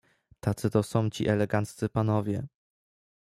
"Tacy to są ci eleganccy panowie."